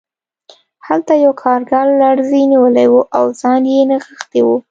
هلته یو کارګر لړزې نیولی و او ځان یې نغښتی و